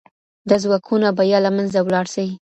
دا ځواکونه به يا له منځه ولاړ سي.